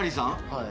はい。